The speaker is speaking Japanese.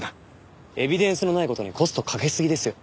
エビデンスのない事にコストかけすぎですよ。